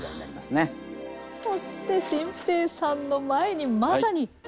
そして心平さんの前にまさに。